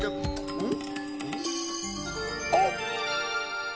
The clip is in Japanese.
うん？